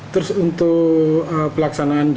terus untuk pelaksanaan